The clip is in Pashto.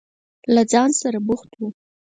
له ځان سره بوخت و.